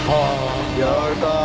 やられた。